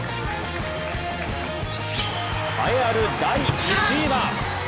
栄えある第１位は！？